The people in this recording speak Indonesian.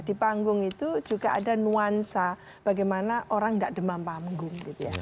di panggung itu juga ada nuansa bagaimana orang tidak demam panggung gitu ya